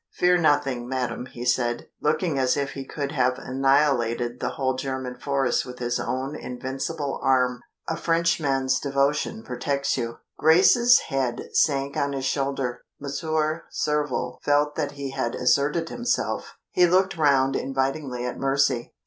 "Fear nothing, madam," he said, looking as if he could have annihilated the whole German force with his own invincible arm. "A Frenchman's heart beats under your hand. A Frenchman's devotion protects you." Grace's head sank on his shoulder. Monsieur Surville felt that he had asserted himself; he looked round invitingly at Mercy.